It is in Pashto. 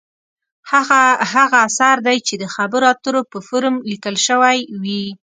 هغه اثر دی چې د خبرو اترو په فورم لیکل شوې وي.